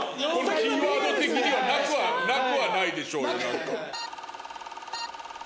キーワード的にはなくはなくはないでしょうよ何か。